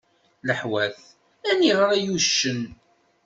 Leḥwat: Aniγer ay uccen?